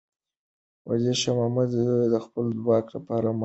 شاه محمود د خپلو ځواکونو لپاره د محاصرې پلان جوړ کړ.